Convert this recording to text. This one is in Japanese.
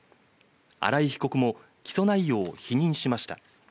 荒井被告も起訴内容を否認しました。